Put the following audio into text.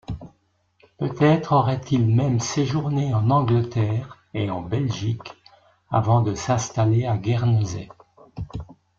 Peut-être aurait-il même séjourné en Angleterre et en Belgique avant de s’installer à Guernesey.